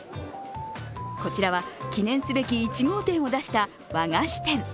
こちらは記念すべき１号店を出した和菓子店。